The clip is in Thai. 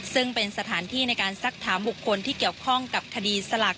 ซึ่งเป็นสถานที่ในการซักถามบุคคลที่เกี่ยวข้องกับคดีสลัก